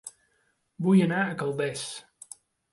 Vull anar a Calders